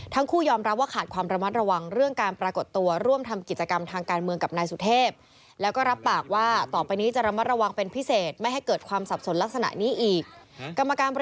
ทั้งคู่ยอมรับว่าขาดความระมัดระวังเรื่องการปรากฎตัว